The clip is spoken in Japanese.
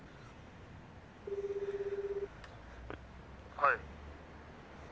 「はい」